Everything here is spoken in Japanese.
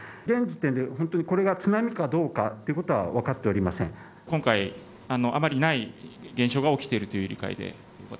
現時点で本当にこれが津波かどうかということは分かっておりませ今回、あまりない現象が起きているという理解で？